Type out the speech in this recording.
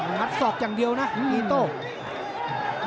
งัดศอกอย่างเดียวนะที่นี้ต้อง